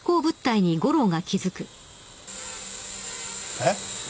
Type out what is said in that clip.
・えっ？